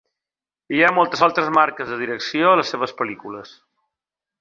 HI ha moltes altres marques de direcció a les seves pel·lícules.